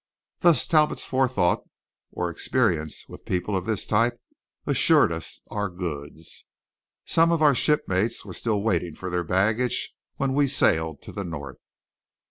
Thus Talbot's forethought, or experience with people of this type, assured us our goods. Some of our shipmates were still waiting for their baggage when we sailed to the north.